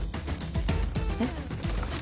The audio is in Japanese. えっ？